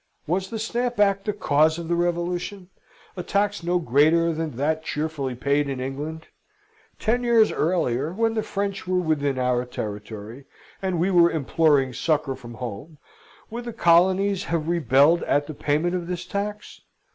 Was the Stamp Act the cause of the revolution? a tax no greater than that cheerfully paid in England. Ten years earlier, when the French were within our territory, and we were imploring succour from home, would the colonies have rebelled at the payment of this tax?